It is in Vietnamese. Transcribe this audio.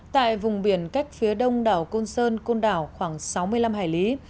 tại vùng biển cách phía đông đảo côn sơn côn đảo khoảng sáu mươi năm hải lý